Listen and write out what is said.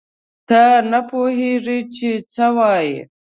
ته نه پوهېږې چې څه وایې.